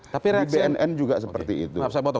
tapi di bnn juga seperti itu